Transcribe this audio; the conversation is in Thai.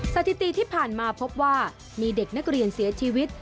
สถิติที่ผ่านมาพบว่ามีเด็กนักเรียนเสียชีวิต